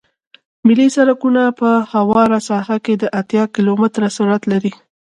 ملي سرکونه په همواره ساحه کې د اتیا کیلومتره سرعت لري